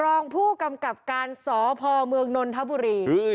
รองผู้กำกับการสพเมืองนนทบุรี